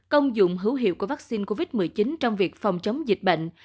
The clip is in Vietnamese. công dụng hữu hiệu của vaccine covid một mươi chín trong việc phòng chống dịch bệnh